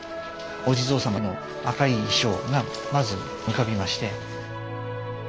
お地蔵様の赤い衣装がまず浮かびまして。